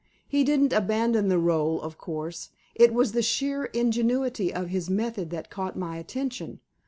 He didn't abandon the role, of course. It was the sheer ingenuity of his method that caught my attention.